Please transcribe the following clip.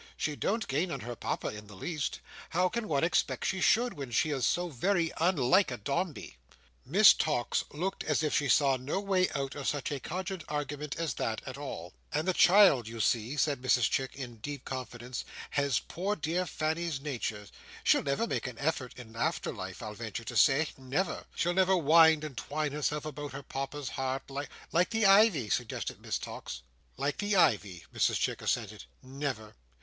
She don't gain on her Papa in the least. How can one expect she should, when she is so very unlike a Dombey?" Miss Tox looked as if she saw no way out of such a cogent argument as that, at all. "And the child, you see," said Mrs Chick, in deep confidence, "has poor dear Fanny's nature. She'll never make an effort in after life, I'll venture to say. Never! She'll never wind and twine herself about her Papa's heart like—" "Like the ivy?" suggested Miss Tox. "Like the ivy," Mrs Chick assented. "Never!